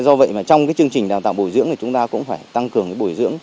do vậy trong chương trình đào tạo bồi dưỡng chúng ta cũng phải tăng cường bồi dưỡng